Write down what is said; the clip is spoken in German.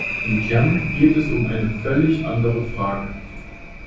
Im Kern geht es um eine völlig andere Frage.